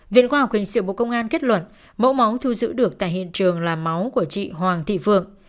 viện khoa học hình sự bộ công an kết luận mẫu máu thu giữ được tại hiện trường là máu của chị hoàng thị phượng